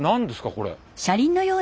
これ。